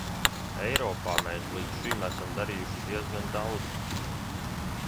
Eiropā mēs līdz šim esam darījuši diezgan daudz.